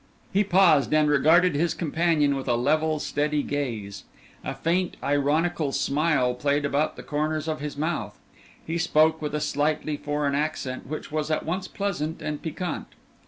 He paused, and regarded his companion with a level, steady gaze. A faint, ironical smile played about the corners of his mouth; he spoke with a slightly foreign accent, which was at once pleasant and piquant.